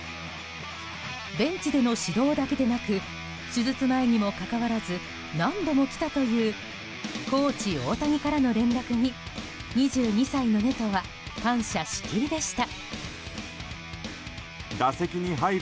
ベンチでの指導だけでなく手術前にもかかわらず何度も来たというコーチ大谷からの連絡に２２歳のネトは感謝しきりでした。